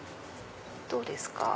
どうですか？